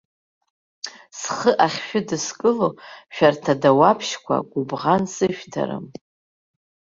Схы ахьшәыдыскыло, шәарҭ адауаԥшьқәа, гәыбӷан сышәҭарым.